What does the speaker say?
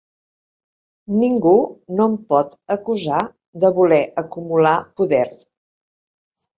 Ningú no em pot acusar de voler acumular poder.